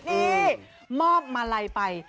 นี่มอบมาลัยไป